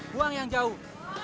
buang yang jauh